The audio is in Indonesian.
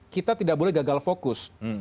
kita tidak boleh gagal fokus